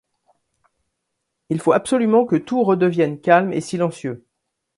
Il faut absolument que tout redevienne calme et silencieux.